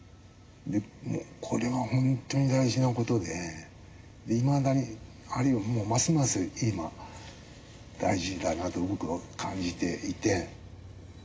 これは本当に大事な事でいまだにあるいはもうますます今大事だなと僕は感じていて。